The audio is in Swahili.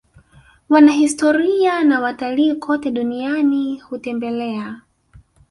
wanahistoria na watalii kote duniani hutembelea